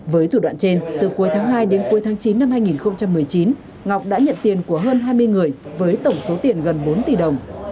với thủ đoạn trên từ cuối tháng hai đến cuối tháng chín năm hai nghìn một mươi chín ngọc đã nhận tiền của hơn hai mươi người với tổng số tiền gần bốn tỷ đồng